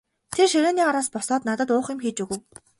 Тэр ширээний араас босоод надад уух юм хийж өгөв.